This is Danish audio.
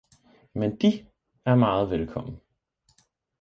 men De er meget velkommen!